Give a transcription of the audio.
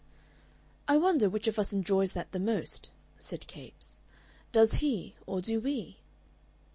"I wonder which of us enjoys that most," said Capes "does he, or do we?"